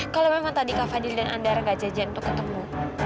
kalau memang tadi kak fadil dan andara gak jajan untuk ketemu